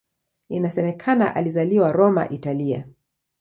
Inasemekana alizaliwa Roma, Italia.